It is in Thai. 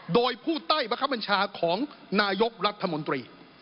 โดยผู้ใต้บังคับบัญชาของนายกรัฐมนตรี